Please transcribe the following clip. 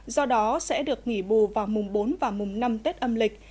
do đó sẽ được nghỉ bù vào mùng bốn và mùng năm tết âm lịch